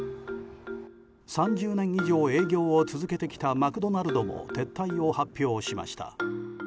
３０年以上営業を続けてきたマクドナルドも撤退を発表しました。